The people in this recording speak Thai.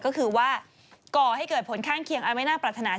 ก็คือว่าก่อให้เกิดผลข้างเคียงอันไม่น่าปรัฐนา